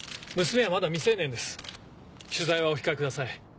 娘はまだ未成年です取材はお控えください。